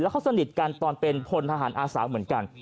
เขาสนิทกันตอนเป็นพลทหารอาสาเหมือนกัน